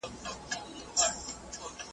سر پر سر یې ترېنه وکړلې پوښتني ,